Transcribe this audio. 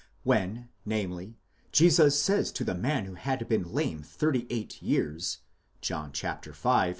When, namely, Jesus says to the man who had been lame thirty eight years (John v.)